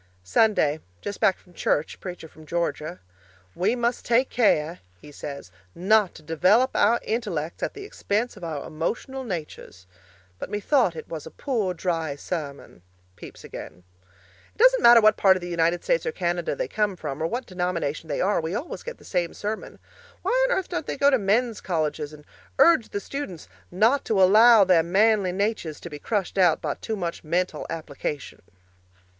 Sunday Just back from church preacher from Georgia. We must take care, he says, not to develop our intellects at the expense of our emotional natures but methought it was a poor, dry sermon (Pepys again). It doesn't matter what part of the United States or Canada they come from, or what denomination they are, we always get the same sermon. Why on earth don't they go to men's colleges and urge the students not to allow their manly natures to be crushed out by too much mental application?